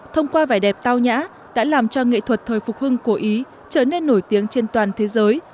thông qua vẻ đẹp tao nhã đã làm cho nghệ thuật thời phục hưng của ý trở nên nổi tiếng trên toàn thế giới